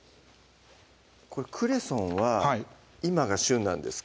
これクレソンは今が旬なんですか？